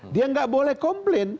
dia tidak boleh komplain